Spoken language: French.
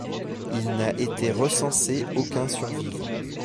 Il n'a été recensé aucun survivant.